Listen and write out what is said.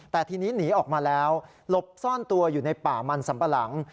แต่ทีนี้หนีออกมาแล้วหลบซ่อนตัวอยู่ในป่ามันสัมปะหลัง